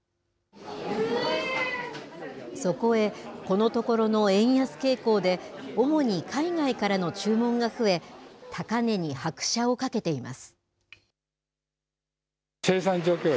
そこへ、このところの円安傾向で、主に海外からの注文が増え、高値に拍車をかけています。